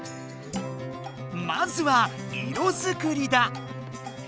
まずは色作りだ。